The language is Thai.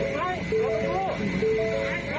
ครับ